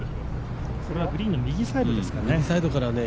これはグリーンの右サイドからですね。